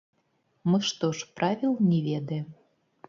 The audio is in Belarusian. Мы што ж, правіл не ведаем?!